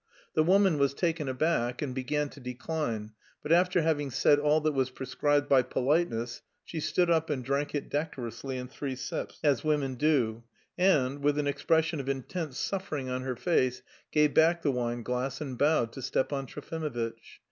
The woman was taken aback, and began to decline, but after having said all that was prescribed by politeness, she stood up and drank it decorously in three sips, as women do, and, with an expression of intense suffering on her face, gave back the wineglass and bowed to Stepan Trofimovitch.